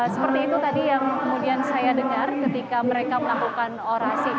seperti itu tadi yang kemudian saya dengar ketika mereka melakukan orasi